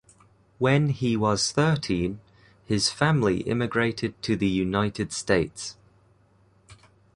When he was thirteen, his family immigrated to the United States.